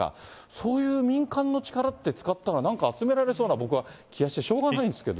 そういう民間の力って使ったらなんか集められそうな、僕は気がしてしょうがないんですけど。